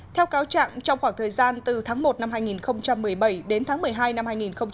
theo cáo trạng trong khoảng thời gian từ tháng một năm hai nghìn một mươi bảy đến tháng một mươi hai năm hai nghìn một mươi bảy